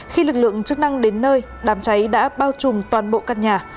khi lực lượng chức năng đến nơi đám cháy đã bao trùm toàn bộ căn nhà